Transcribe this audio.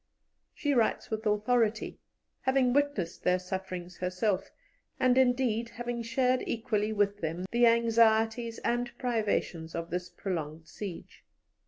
She writes with authority, having witnessed their sufferings herself, and, indeed, having shared equally with them the anxieties and privations of this prolonged siege.